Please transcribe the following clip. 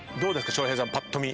翔平さんぱっと見。